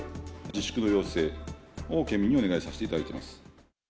自粛の要請を県民にお願いさせていただいています。